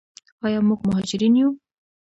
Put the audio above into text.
آیا موږ مهاجرین یو؟